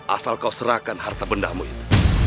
asal kau serahkan harta bendamu itu